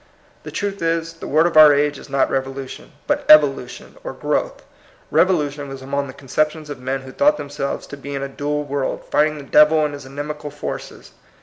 The truth is, the word of our age is not revolution, but evolution or growth. Rev olution was among the conceptions of men who thought themselves to be in a dual world, fighting the Devil and his inimical forces.